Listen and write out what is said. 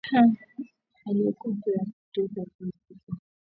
alisema akiwa katika kituo cha mapumziko cha Horombo